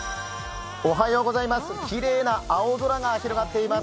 きれいな青空が広がっています。